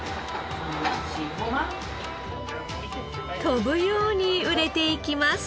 飛ぶように売れていきます。